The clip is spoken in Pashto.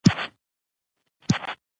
کار وکړو او ستړي نه شو.